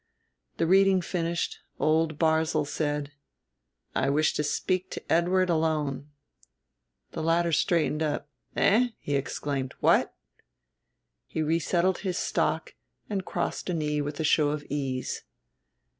The reading finished, old Barzil said: "I wish to speak to Edward alone." The latter straightened up. "Eh!" he exclaimed. "What?" He resettled his stock and crossed a knee with a show of ease.